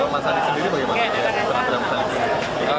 mas anies sendiri bagaimana